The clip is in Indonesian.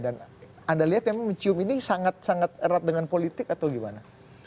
dan anda lihat memang mencium ini sangat sangat erat dengan politik atau gimana